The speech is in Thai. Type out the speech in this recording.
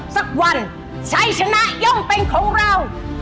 สักวันชัยชนะย่อมเป็นของเรา